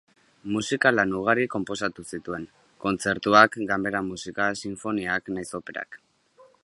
Musika-lan ugari konposatu zituen: kontzertuak, ganbera-musika, sinfoniak nahiz operak.